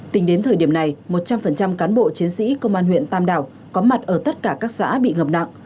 tính đến thời điểm này một trăm linh cán bộ chiến sĩ công an huyện tam đảo có mặt ở tất cả các xã bị ngập nặng